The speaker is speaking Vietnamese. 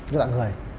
như là người